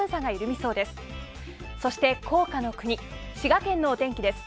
そして、甲賀の国滋賀県のお天気です。